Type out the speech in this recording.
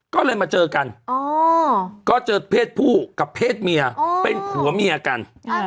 ก็เลยมาเจอกันก็เจอเพศผู้กับเพศเมียเป็นผัวเมียกัน